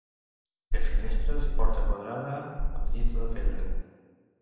Té finestres i porta quadrada amb llinda de pedra.